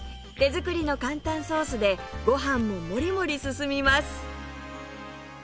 手作りの簡単ソースでご飯ももりもり進みます！